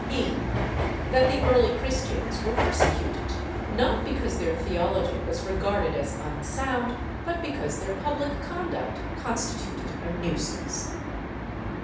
(e) That the early Christians were persecuted, not because their theology was regarded as unsound, but because their public conduct constituted a nuisance.